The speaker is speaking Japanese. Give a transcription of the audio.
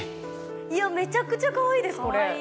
いやめちゃくちゃかわいいですこれ。